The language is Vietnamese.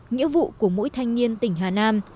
nghĩa vụ của mỗi thanh niên tỉnh hà nam